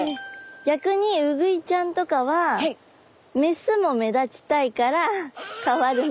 逆にウグイちゃんとかはメスも目立ちたいから変わるの。